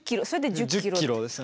１０キロですよね。